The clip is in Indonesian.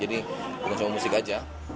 jadi bukan cuma musik aja